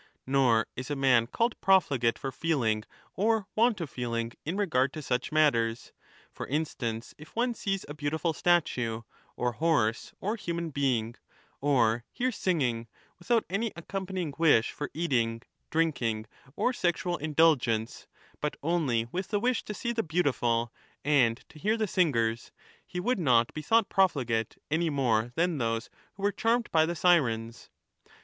Nor is a man called profligate for feeling or want of feeling in regard to such matters. For instance, if one sees a beautiful statue, or horse, or human being, or hears singing, without any accompanying wish for eating, drinking, or sexual indulgence, but only with the wish to see the beautiful and to hear the singers, he would 35 not be thought profligate any more than those who were charmed by the Sirens.